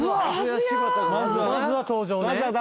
まずは登場ね